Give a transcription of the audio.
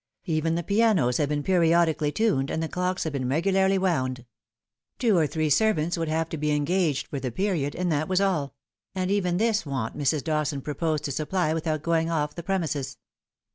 Even the pianos had been periodically tuned, and the clocks had been regularly wound. Two or three 326 The Fatal Three. servants would have to be engaged for the period, and that was all ; and even this want Mrs. Dawson proposed to supply with out going off the premises.